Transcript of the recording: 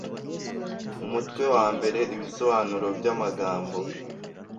Umutwe wa mbere: Ibisobanuro by’amagambo